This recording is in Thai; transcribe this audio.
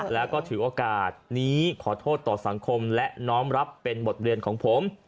แล้วก็ถือโอกาสนี้ขอโทษต่อสังคมและน้อมรับเป็นบทเรียนของผม